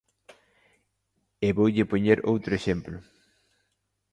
E voulle poñer outro exemplo.